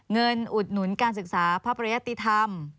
อุดหนุนการศึกษาพระปริยติธรรม